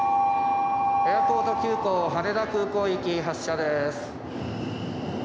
「エアポート急行羽田空港行き発車です」。